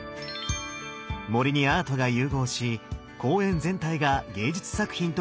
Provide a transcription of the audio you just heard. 森にアートが融合し公園全体が芸術作品となっています。